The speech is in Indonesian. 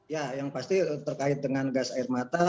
ya yang pasti terkait dengan gas air mata